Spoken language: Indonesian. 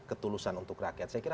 ini sudah berhasil tapi ini juga